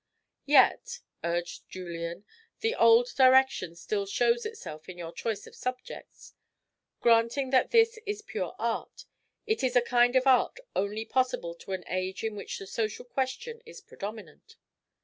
"Yet," urged Julian, "the old direction still shows itself in your choice of subjects. Granting that this is pure art, it is a kind of art only possible to an age in which the social question is predominant."